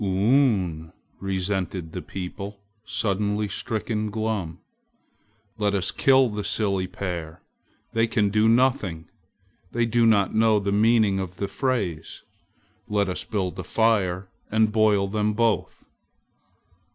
"Uun!" resented the people, suddenly stricken glum. "Let us kill the silly pair! They can do nothing! They do not know the meaning of the phrase. Let us build a fire and boil them both!"